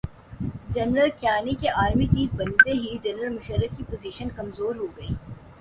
General Kayani کے army chief بنتے ہی جنرل مشرف کی پوزیشن کمزورہوگئی۔